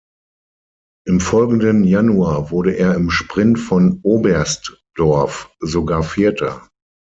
Im folgenden Januar wurde er im Sprint von Oberstdorf sogar Vierter.